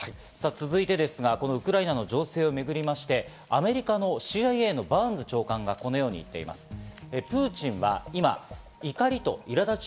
続いてですが、ウクライナの情勢をめぐりましてアメリカのＣＩＡのバーンズ長官がこのように言っています。